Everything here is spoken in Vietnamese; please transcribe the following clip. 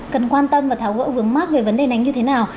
cần quan tâm và tháo gỡ vướng mắt về vấn đề này như thế nào